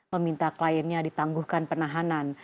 meminta kliennya ditangguhkan penahanan